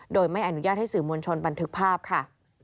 โดยไม่อนุญาตให้สื่อมวลชนบันทึกภาพค่ะ